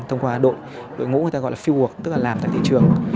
thông qua đội ngũ người ta gọi là fieldwork tức là làm tại thị trường